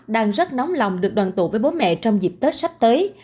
đang rất nóng lòng được đoàn tụ với bố mẹ trong dịp tết sắp tới